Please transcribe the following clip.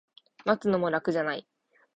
待つのも楽じゃない